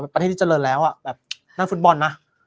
ประเทศที่เจริญแล้วแบบนั่งฟุตบอลนะ